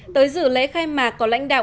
tới dự lễ khai mạc có lãnh đạo